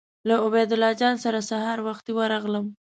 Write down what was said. له عبیدالله جان سره سهار وختي ورغلم.